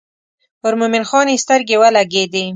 پر مومن خان یې سترګې ولګېدې.